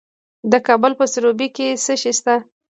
د کابل په سروبي کې څه شی شته؟